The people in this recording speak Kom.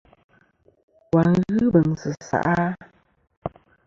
Wà n-ghɨ beŋsɨ seʼ a?